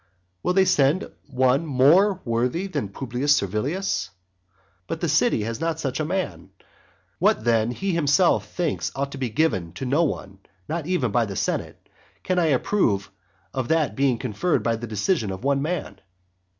Will they send one more worthy than Publius Servilius? But the city has not such a man. What then he himself thinks ought to be given to no one, not even by the senate, can I approve of that being conferred by the decision of one man?